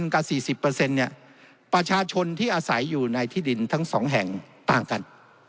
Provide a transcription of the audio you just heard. กับ๔๐เนี่ยประชาชนที่อาศัยอยู่ในที่ดินทั้ง๒แห่งต่างกัน